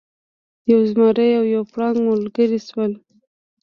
یو زمری او یو پړانګ ملګري شول.